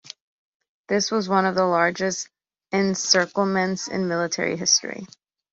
This was one of the largest encirclements in military history.